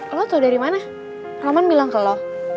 lo tahu dari mana roman bilang ke lo